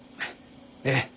ええ。